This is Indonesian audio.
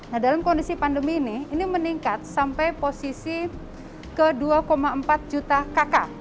nah dalam kondisi pandemi ini ini meningkat sampai posisi ke dua empat juta kakak